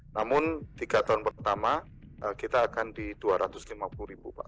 namun tiga tahun pertama kita akan di dua ratus lima puluh ribu pak